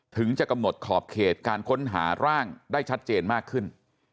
ถึงจะกำหนดขอบเขตการค้นหาร่างได้ชัดเจนมากขึ้น